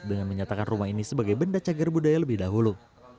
dengan menyatakan rumah ini sebagai benda cagar budaya lebih dahulu